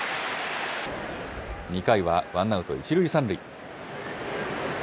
２回はワンアウト１塁３塁。